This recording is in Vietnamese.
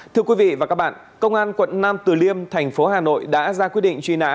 thưa quý vị và các bạn công an quận nam từ liêm thành phố hà nội đã ra quyết định truy nã